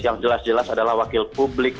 yang jelas jelas adalah wakil publik